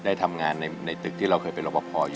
ได้ทำงานในตึกที่เราเคยเป็นรบพออยู่